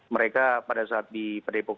mereka pada saat dipadepokan